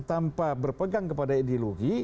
tanpa berpegang kepada ideologi